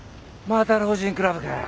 また老人クラブかよ。